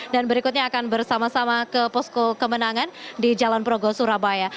dan berikutnya akan bersama sama ke posko kemenangan di jalan progo surabaya